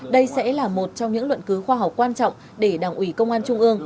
đây sẽ là một trong những luận cứu khoa học quan trọng để đảng ủy công an trung ương